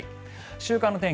週間の天気